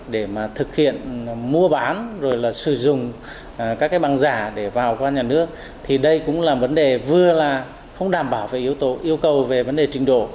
để mà thực hiện mua bán rồi là sử dụng các cái bằng giả để vào các nhà nước thì đây cũng là vấn đề vừa là không đảm bảo về yêu cầu về vấn đề trình độ